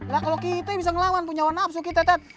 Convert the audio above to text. lah kalau kita bisa ngelawan punya warna nafsu kita tat